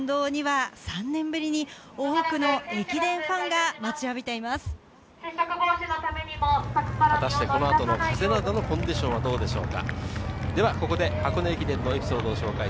そして沿道には３年ぶりに多くの駅伝ファンが待この後の風のコンディションはどうでしょうか。